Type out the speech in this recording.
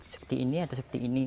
seperti ini atau seperti ini